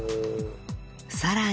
さらに